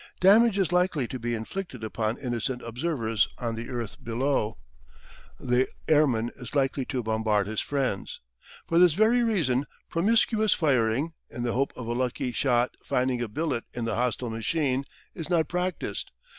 Damage is likely to be inflicted among innocent observers on the earth below; the airman is likely to bombard his friends. For this very reason promiscuous firing, in the hope of a lucky shot finding a billet in the hostile machine, is not practised.